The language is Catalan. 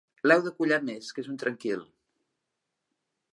L'heu de collar més, que és un tranquil.